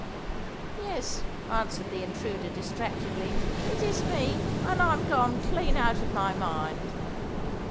"Yes," answered the intruder distractedly, "it is me. And I'm gone clean out of my mind."